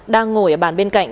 đang ngồi ở bàn bên cạnh